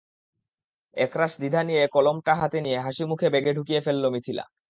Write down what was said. একরাশ দ্বিধা নিয়ে কলমটা হাতে নিয়ে হাসি মুখে ব্যাগে ঢুকিয়ে ফেলল মিথিলা।